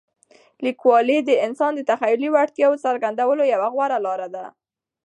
لیکوالی د انسان د تخلیقي وړتیاوو څرګندولو یوه غوره لاره ده.